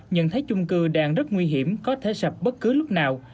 nhận thấy chung cư đang rất nguy hiểm có thể sập bất cứ lúc nào